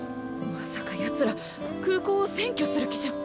まさかヤツら空港を占拠する気じゃ。